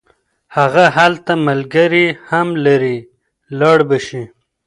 هغه هلته ملګري هم لري لاړ به شي.